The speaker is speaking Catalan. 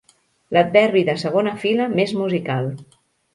L'adverbi de segona fila més musical.